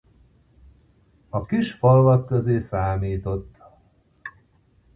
A kis falvak közé számított.